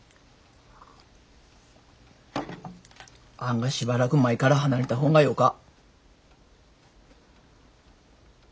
あがしばらく舞から離れた方がよか。